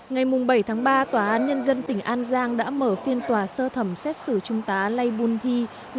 ngày bảy tháng ba tòa án nhân dân tỉnh an giang đã mở phiên tòa sơ thẩm xét xử trung tá lay bùn thi